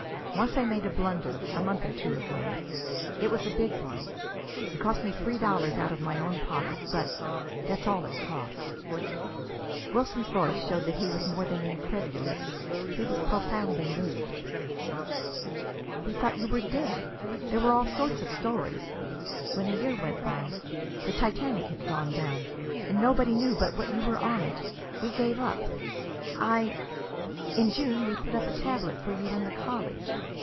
Once I made a blunder, a month or two ago. It was a big one. It cost me three dollars out of my own pocket. But that's all it cost." Wilson's voice showed that he was more than incredulous; he was profoundly moved. "We thought you were dead. There were all sorts of stories. When a year went by the Titanic had gone down, and nobody knew but what you were on it we gave up. I in June we put up a tablet for you at the college.